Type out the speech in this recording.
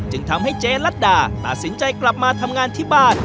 ทำให้เจ๊ลัดดาตัดสินใจกลับมาทำงานที่บ้าน